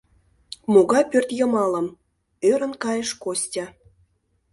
— Могай пӧртйымалым? — ӧрын кайыш Костя.